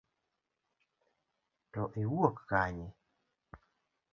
To iwuok kanye?